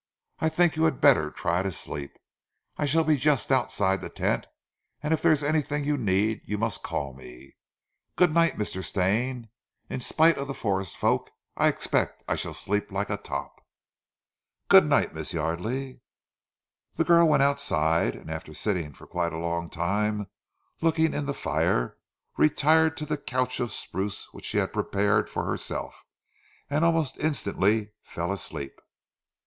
I think you had better try to sleep. I shall be just outside the tent, and if there is anything you need you must call me. Good night, Mr. Stane. In spite of the forest folk, I expect I shall sleep like a top." "Good night, Miss Yardely." The girl went outside, and after sitting for quite a long time looking in the fire, retired to the couch of spruce which she had prepared for herself, and almost instantly fell asleep.